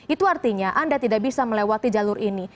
itu artinya anda tidak bisa melewati jalur ini